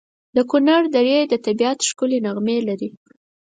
د کنړ درې د طبیعت ښکلي نغمې لري.